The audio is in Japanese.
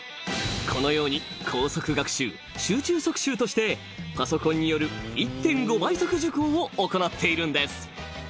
［このように高速学習集中速習としてパソコンによる１．５倍速受講を行っているんです］